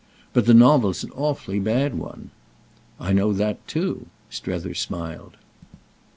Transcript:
"But the novel's an awfully bad one." "I know that too," Strether smiled.